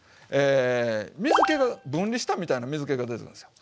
水けが分離したみたいな水けが出るんですよ。